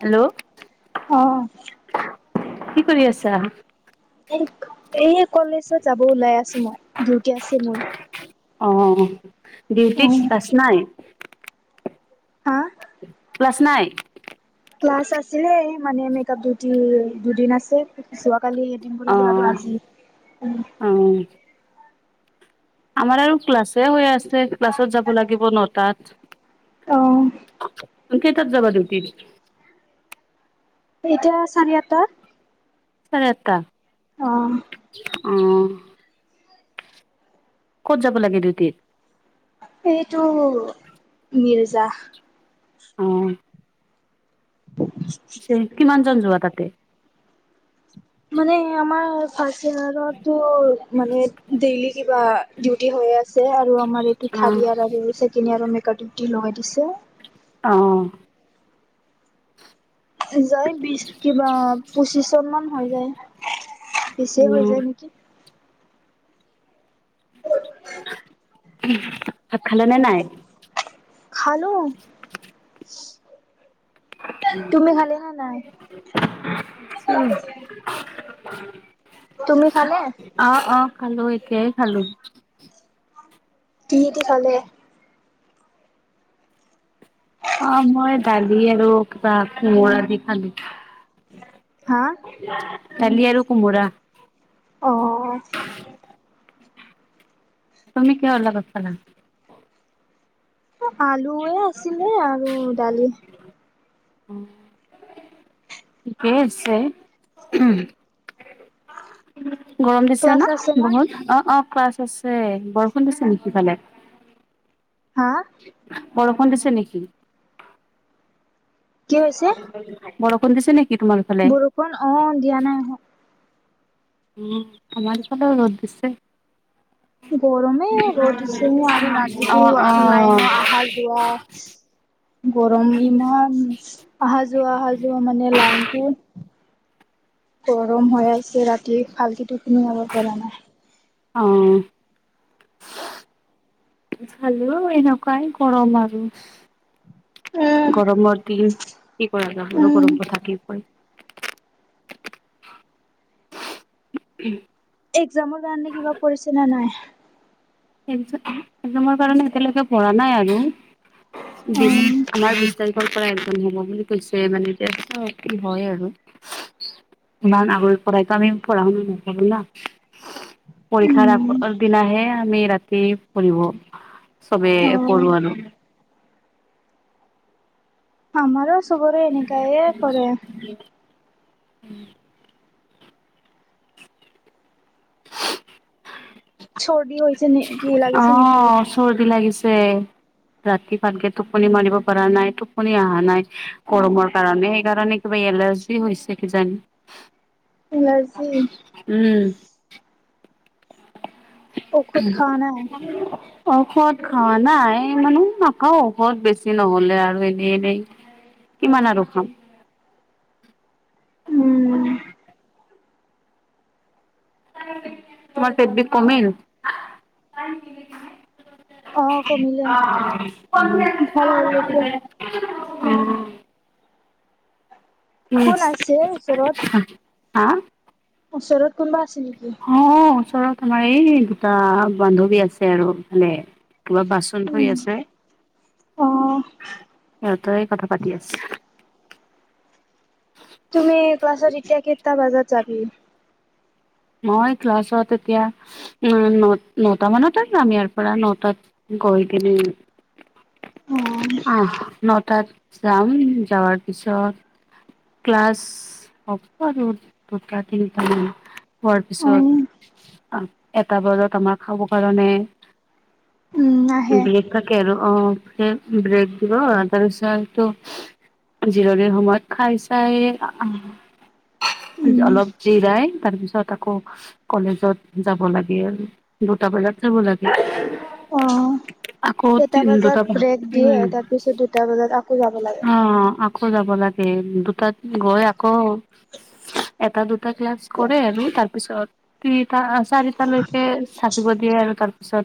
Hello. অ', কি কৰি আছা? এই এইয়ে কলেজত যাব ওলাই আছো মই ডিউটি আছো মোৰ। অ, ডিউটিত পাছ নাই? হা ক্লাছ নাই? ক্লাছ আছিলে মানে মেকআপ ডিউটি দুদিন আছে কালি [unintelligible] অ কৰিলো আৰু আজি উম, অ আমাৰ আৰু ক্লাছে হৈ আছে ক্লাছত যাব লাগিব নটাত। অ কেইতাত যাবা দেউতিত? এতিয়া চাৰে আঠটা। চাৰে আঠটা? অহ। অঁ', ক'ত যাব লাগে ডিউটিত? এইটো মিৰ্জা। অহ', কিমানজন যোৱা তাতে? মানে আমাৰ ফাৰ্চ ইয়াৰতো মানে ডেইলি কিলা হৈ আছে আৰু আমাৰ এইটো অ থাৰ্ড ইয়াৰ আৰু ছেকেণ্ড ইয়াৰ মেকআপ ডিউটি লগাই দিছে। অ। যায় বিশ কিবা পঁচিশজন মান হৈ যায়। বেছিয়ে হৈ উম যায় নেকি? ভাত খালে নে নাই খালো তুমি খালে নে নাই চ তুমি খালে অ অ খালো এতিয়া খালো। কিহেদি খালে। অ মই দালি আৰু কিবা কোমোৰা দি খালো। হা দালি আৰু কোমোৰা। অ তুমি কিহৰ লগত খালা। আলুয়ে আছিলে আৰু দালি। উম এই আছে উ গৰম দিছে ক্লাছ ন আছে না বহুত অ অ পোৱা আছে বৰষুণ দিছে নেকি সেইফালে। হা বৰষুণ দিছে নেকি। কি হৈছে বৰষুণ দিছে নেকি। তোমাৰ ফালে বৰষুণ অহ দিয়া নাই অহ উ আমাৰ ইফালেও ৰ'দ দিছে। গৰমে ৰ'দ দিছে আৰু অ ৰাতিটো অ লাইনৰ আহা যোৱা। গৰম ইমান অহা যোৱা অহা যোৱা মানে লাইনটো। গৰম হৈ আছে ৰাতিৰ অহ খালো এনেকুৱাই গৰম আৰু উম গৰমৰ দিন কি কৰা যাব আৰু ৰ'ব উম ৰ'ব থাকি। উম। এক্জামৰ কাৰণে কিবা কৰিছে নে নাই? এক এক্সামৰ কাৰণে এতিয়ালৈকে পঢ়া নাই আৰু অ' বিশ আমাৰ বিশ তাৰিখৰ পৰা এজন হ'ব বুলি কৈছে মানে এতিয়া কি হয় আৰু ইমান আগৰ পৰাই আমি পঢ়া শুনা নকৰোঁ না পৰীক্ষা উম, আগদিনাহে আমি ৰাতি। চবে পঢ়িব চবে অ' পঢ়ো আৰু। আমাৰো চবৰে এনেকাইৰে পঢ়ে উম। [inaudible] চৰ্দি। নেকি লাগিছে নেকি? অহ চৰ্দি লাগিছে। ৰাতি ভালকে টোপনি মাৰিব পৰা নাই টোপনি অহা নাই গৰমৰ কাৰণে সেইকাৰণে। সবে এলাৰ্জি হৈছে কিজানি, এলাৰ্জি উম। ঔষধ খোৱা নাই? অ'। ঔষধ খোৱা নাই মানে নাখাওঁ ঔষধ বেছি নহ'লে আৰু এনেই এনেই। কিমান আৰু খাম। হয়। উম, [unintelligible] তোমাৰ পেট বিষ কমিল। অ' কমিলে। অ ভাল হ'ল এতিয়া। [unintelligible] উম। উম কোন আছে ওচৰত? হা। ওচৰত কোনোবা আছে নেকি। অ ওচৰত আমাৰ এই দুটা বান্ধৱী আছে আমাৰফালে। কিবা বাচন ধুই উম, আছে। অ' এটাই কথা পাতি আছে। তুমি ক্লাছত এতিয়া কেইটা বজাত যাবি? মই ক্লাছত এতিয়া, উ, ন নটা মানত যাম। ইয়াৰ পৰা নটাত। গৈ কনে। অ' আহ, নটাত যাম। যাৰ পিছত ক্লাছ অব আৰু। পৰীক্ষা তিনিটামান খোৱাৰ অ' পিছত এটা বজাত আমাৰ খাব কাৰণে, উম, আহে ব্ৰেক থাকে আৰু। অ, ব্ৰেক দিব। তাৰপিছতটো জিৰণিৰ সময়ত খাই -চাই আহোঁ উম, অলপ জিৰাই, তাৰপিছত আকৌ কলেজত যাব লাগে। দুটা বজাত যাব লাগে। অ' [inaudible] আকৌ তি এটা বজাত দুটা প ব্ৰেক দিয়ে উম, তাৰ পিছত দুটা বজাত আকৌ যাব লাগে। অ, আকৌ যাব লাগে। এ দুটাত গৈ, আকৌ এটা দুটা ক্লাছ কৰে আৰু। তাৰপিছত তিনিটা চাৰিটালৈকে থাকিব দিয়ে। আৰু তাৰপিছত।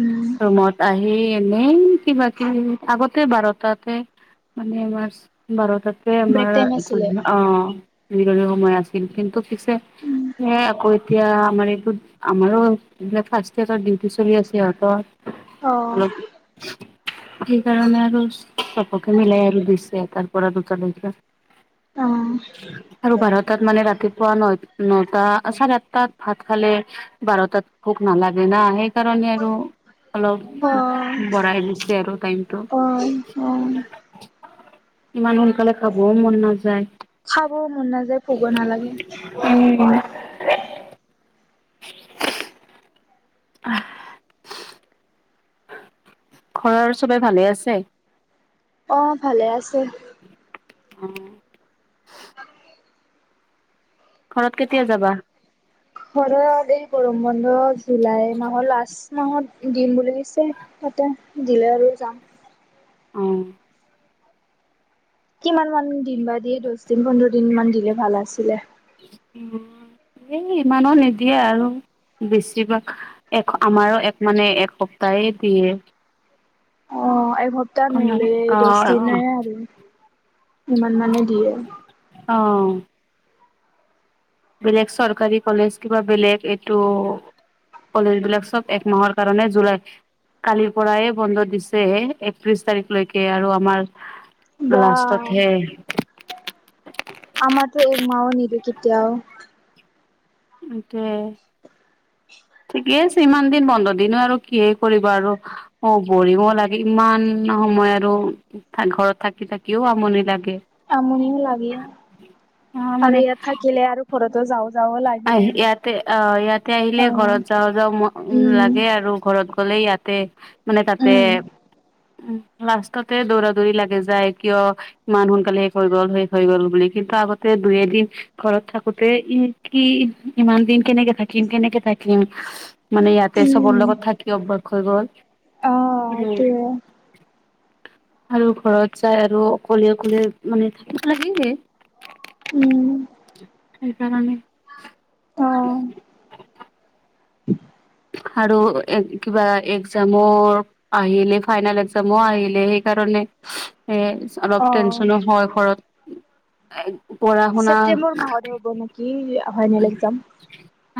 উম, ৰুমত আহি, এই এনেই কিবা কিবি আগতে বাৰটাতে। মানে আমাৰ্চ বাৰটা, ব্ৰেক আমাৰ টাইম আছিলে। অ, তিনিটালৈ সময় আছিল। কিন্তু পিছে, আকৌ এতিয়া আমাৰ এইটো আমাৰো। এইিলাক ফাৰ্ষ্ট ইয়াৰৰ ডিউটি চলি আছে। সিহঁতৰ, অ। অলপ সেইকাৰণে আৰু। চবকে মিলাই আৰু। দিছে তাৰ পৰা দুটালৈকে। অ', আৰু বাৰটাত মানে ৰাতিপুৱা নহ। নটা, চাৰে আঠটাত ভাত খালে, বাৰটাত ভোক নালাগে না। সেইকাৰণে আৰু অলপ অ', বঢ়াই দিছে আৰু টাইমটো। অ', অ'। ইমান সোনকালে খাবও মন নাযায়। খাব মন নাযায় কব নালাগে উম [unintelligible] আহ ঘৰৰ চবে ভালে আছে? আহ, ভালে আছে। অ', ঘৰত কেতিয়া যাবা ঘৰত এই গৰম বন্ধ জুলাই মাহৰ লাষ্ট মাহত দিম বুলি ততে দিলে আৰু যাম আহ কিমান মান দিন বা দিয়ে দহ দিন পোন্ধৰ দিন মান দিলে ভাল আছিলে এই ইমানো নিদিয়ে আৰু বেছিভাগ, এক আমাৰো এক মানে একসপ্তাহে দিয়ে সপ্তাহ নহ'লে দহ দিন অ', আৰু, ইমান মানে দিয়ে অ', বেলেগ চৰকাৰী কলেজ কিবা বেলেগএইটো কলেজ বিলাক চব একমাহৰ কাৰণে জুলাই কালিৰ পৰাই বন্ধ দিছে একত্ৰিশ তাৰিখলৈকে আৰু আমাৰ বা লাষ্টতহে একমাহও নিদে কেতিয়াও তাকে ঠিকে আছে, ইমান দিন বন্ধ দিনো আৰু কিহে কৰিব আৰু অ', ভৰিব লাগে ইমান ভন সময় আৰু ঘৰত থাকিথাকিও আমনি লাগে আমনিও লাগে অ আৰু ইয়াত থাকিলে আৰু ঘৰতো যাও আহি ইয়াতে অ ইয়াতে আহিলে অ ঘৰত যাওঁ যাওঁ উম লাগে আৰু ঘৰত কলে ইয়াতে, মানে তাতে উম উম, লাষ্টতে দৌৰা, দৌৰি লাগে যায় কিয় ইমান সোনকালে সেই হৈ গ'ল, সেই হৈ গ'ল বুলি কিন্তু আগতে দুই এদিন ঘৰত থাকোতে ই বা কি ইমান দিন কেনেকে থাকিম কেনেকে থাকিম মানে ইয়াতে চবৰ উম লগত থাকি অভ্যাস হৈ গল অ এইটোৱে আৰু ঘৰত যাই আৰু অকলে অকলে মানে থাকিব লাগে উম সেইকাৰণে অ [inaudible] আৰু একিবা এক্সামৰ আহিলে ফাইনেল এক্সমো আহিলে সেইকাৰণে এ, অ অলপ টেনচনো হয় ঘৰত এ ছেপ্তেম্বৰ মাহত হ'ব নেকি ফাইনেল এক্সাম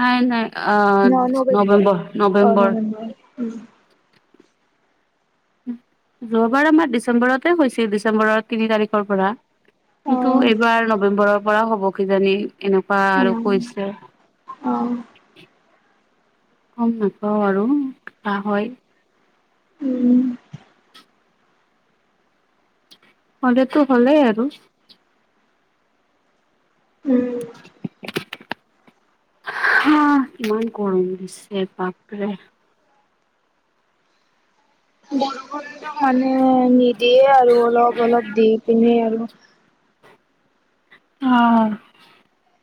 নাই, নাই অ, নৱেম্বৰ, নৱেম্বৰ উম যোৱাবাৰ আমাৰ ডিচেম্বৰতে হৈছিল, ডিচেম্বৰৰ তিনি তাৰিখৰ পৰা অ কিন্তু এইবাৰ নৱেম্বৰৰ পৰা হব কিজানি এনেক বা আৰু উম কৈছে অ গম নাপাওঁ আৰু কা হয় উম হলেতো হলেই আৰু উম হা কিমান গৰম দিছে বাপৰে বৰষুণটো মানে নিদিয়ে আৰু অলপ, অলপ দি পিনে আৰু অ',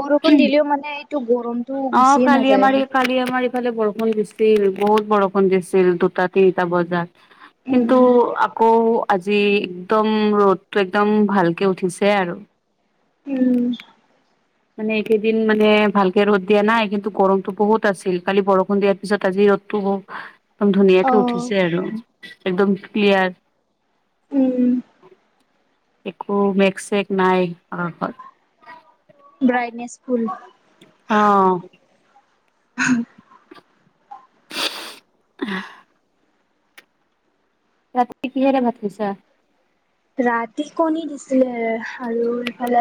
বৰষুণ দিলও মানে গৰমটো অ', ' গুচিয়ে কালি নাযায়। আমাৰি কালি আমাৰ ইফালে বৰষুণ দিছে দেইলি বহুত বৰষুণ দিছিল দুটা তিনিটা বজাত, কিন্তু উম, আকৌ আজি একদম ৰ'দটো একদম ভালকে উঠিছে আৰু। উম। মানে এইকেইদিন মানে ভালকে ৰ'দ দিয়া নাই কিন্তু গৰমতটো বহুত আছিল, কালি বৰষুণ দিয়াৰ পিছত আজি ৰ'দটো বহুত ধুনীয়া কে অ', উঠিছে আৰু একদম ক্লিয়াৰ। উম। একো মেঘ চেঘ নাই আমাৰ ঘৰত। ব্ৰাইটনেছ ফুল। অ হাহ। আহ। ৰাতি কিহেৰে ভাত খাইছা? ৰাতি কণী দিছিলে আৰু এইফালে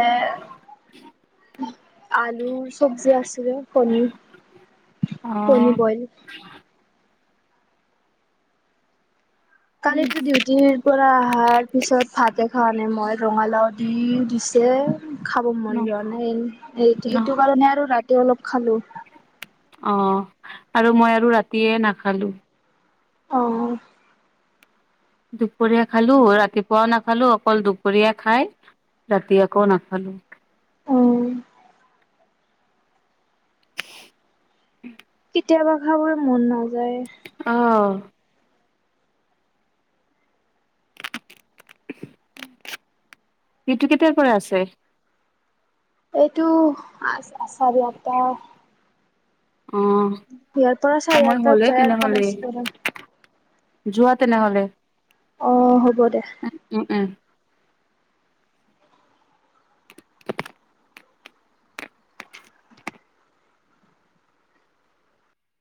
আলুৰ চব্জি আছিলে পনীৰ অ কণি বইল। কালিতো ডিউটিৰ পৰা আহাৰ পিছত ভাত সেইকাৰণে মই ৰঙালাও দি দিছে। খাব ন মন যোৱা নাই এই এই ন সেইটো কাৰণে আৰু ৰাতি অলপ খালোঁ। অ', আৰু মই আৰু ৰাতিয়ে নাখালো। অ'। দুপৰীয়া খালো, ৰাতিপুৱাও নাখালো, অকল দুপৰীয়া খাই ৰাতি আকৌ নাখালোঁ। অ'। [inaudible] কেতিয়াবা খাবলৈ মন নাযায়। অ'। এইটো কেতিয়াৰ পৰা আছে? এইটো আচা আচা দি আত্তা। অ', চাৰে সময় হ'লে আঠটাত যায় আৰু তেনেহ'লে। কলেজ যোৱা তেনেহলে অ হ'ব দে উম উম।